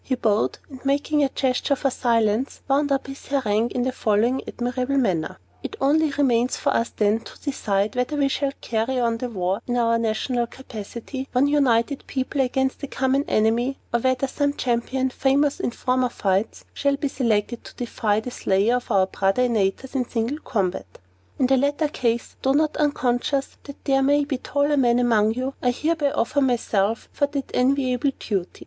He bowed, and, making a gesture for silence, wound up his harangue in the following admirable manner: "It only remains for us, then, to decide whether we shall carry on the war in our national capacity one united people against a common enemy or whether some champion, famous in former fights, shall be selected to defy the slayer of our brother Antaeus to single combat. In the latter case, though not unconscious that there may be taller men among you, I hereby offer myself for that enviable duty.